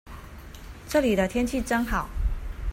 這裡的天氣真好